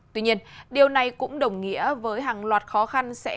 tuy nhiên điều này cũng đồng nghĩa với hàng loạt khó khăn sẽ dồn về phía